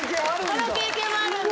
この経験もあるんだ。